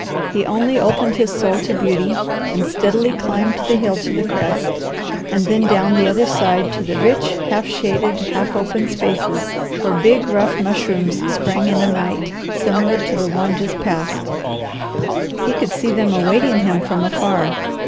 He only opened his soul to beauty, and steadily climbed the hill to the crest, and then down the other side to the rich, half shaded, half open spaces, where big, rough mushrooms sprang in a night similar to the one just passed. He could see them awaiting him from afar.